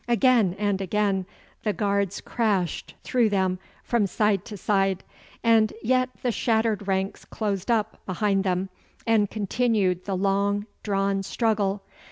Again and again the guards crashed through them from side to side, and yet the shattered ranks closed up behind them and continued the long drawn struggle.